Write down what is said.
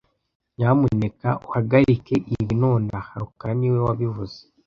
Nyamuneka uhagarike ibi nonaha rukara niwe wabivuze